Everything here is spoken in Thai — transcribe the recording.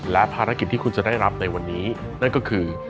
และภารกิจที่คุณจะได้รับในวันนี้นั่นก็คือ